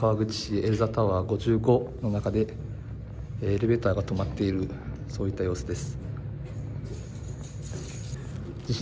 エルザタワー５５の中で、エレベーターが止まっている、そういった様子です。